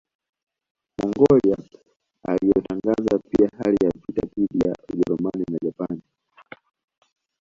Mongolia yalitangaza pia hali ya vita dhidi ya Ujerumani na Japani